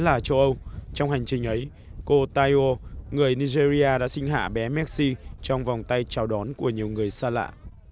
tên là châu âu trong hành trình ấy cô tayo người nigeria đã sinh hạ bé merci trong vòng tay chào đón của nhiều người xa lạ